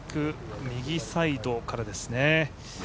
右サイドからですね。